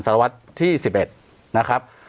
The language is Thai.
สารวัตรที่๑๑นะครับ